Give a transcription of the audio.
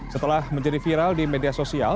setelah menjadi viral di media sosial